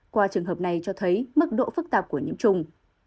qua trường hợp này cho thấy mức độ phức tạp của nhiễm trùng